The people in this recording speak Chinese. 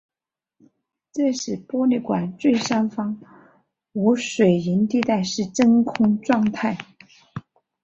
这时玻璃管最上方无水银地带是真空状态。